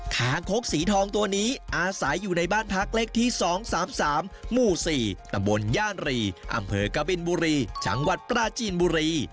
คางคกสีทองตัวนี้อาศัยอยู่ในบ้านพักเลขที่๒๓๓หมู่๔ตำบลย่านรีอำเภอกบินบุรีจังหวัดปราจีนบุรี